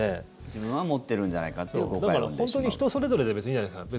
自分は持ってるんじゃないかというだから本当に人それぞれで別にいいじゃないですか。